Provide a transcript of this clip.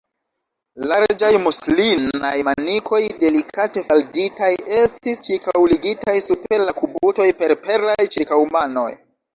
Larĝaj muslinaj manikoj, delikate falditaj, estis ĉirkaŭligitaj super la kubutoj per perlaj ĉirkaŭmanoj.